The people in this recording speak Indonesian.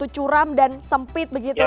curam dan sempit begitu